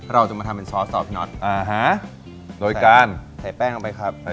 เราจะมาทำเป็นซอสต่อพี่น็อตใส่แป้งออกไปครับโดยการ